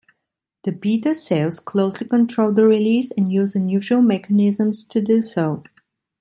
The beta cells closely control the release, and use unusual mechanisms to do so.